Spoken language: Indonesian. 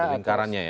pada lingkarannya ya